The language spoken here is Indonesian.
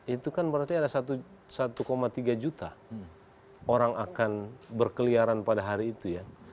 itu kan berarti ada satu tiga juta orang akan berkeliaran pada hari itu ya